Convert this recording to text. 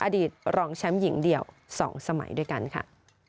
อดีตรองแชมป์หญิงเดี่ยว๒สมัยด้วยกันค่ะ